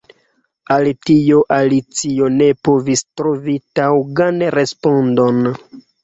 Al tio Alicio ne povis trovi taŭgan respondon.